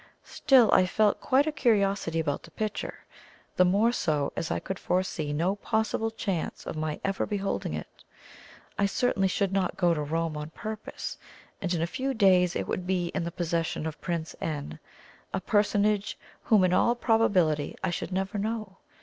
Still I felt quite a curiosity about the picture the more so as I could foresee no possible chance of my ever beholding it. I certainly should not go to Rome on purpose, and in a few days it would be in the possession of Prince N , a personage whom in all probability I should never know.